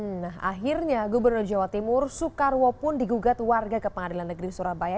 nah akhirnya gubernur jawa timur soekarwo pun digugat warga ke pengadilan negeri surabaya